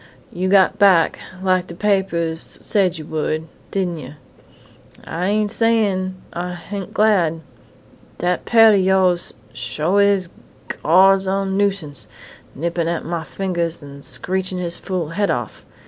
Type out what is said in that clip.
"You got back, lak de papers said you would, didn' yuh? An' I ain't sayin' I ain't glad! Dat parrot o' yoahs sho is Gawd's own nuisance nippin' at mah fingahs an' screechin' his fool head off....